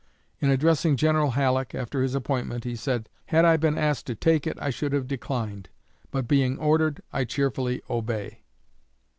In addressing General Halleck, after his appointment, he said: "Had I been asked to take it, I should have declined; but being ordered, I cheerfully obey."